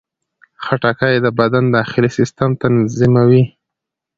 خټکی د بدن داخلي سیستم تنظیموي.